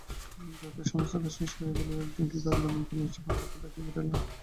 রাত্রির সমস্ত কাজ শেষ হইয়া গেলেও একদিন কী কারণে নবীনকালী কমলাকে ডাকিয়া পাঠাইলেন।